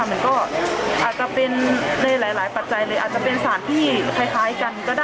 มันก็อาจจะเป็นในหลายปัจจัยเลยอาจจะเป็นสารที่คล้ายกันก็ได้